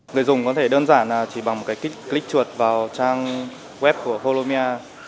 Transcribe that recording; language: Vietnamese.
người dùng có thể đơn giản là chỉ bằng một cái kích click chuột vào trang web của holomia